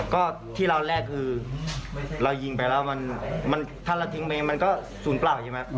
ก็ที่เราแลกคือเรายิงไปแล้วถ้าเราทิ้งไปมันก็ศูนย์เปล่าใช่ไหม